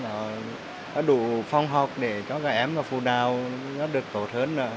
có đủ phòng học để cho các em phụ đào nó được tổn thương